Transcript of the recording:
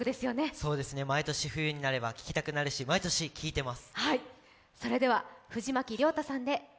そうですね、毎年冬になると聴きたくなるし毎年、聴いてます。